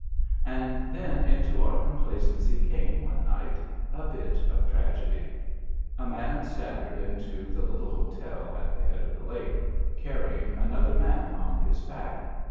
And then into our complacency came, one night, a bit of tragedy. A man staggered into the little hotel at the head of the lake, carrying another man on his back.